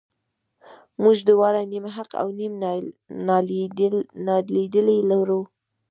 موږ دواړه نیم حق او نیم نالیدلي لرو.